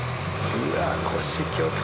うわ！